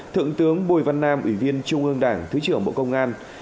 thượng tướng bùi văn nam ủy viên trung ương đảng thứ trưởng bộ công an